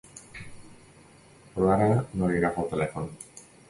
Però ara no li agafa el telèfon.